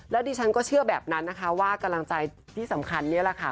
ดิฉันก็เชื่อแบบนั้นนะคะว่ากำลังใจที่สำคัญนี่แหละค่ะ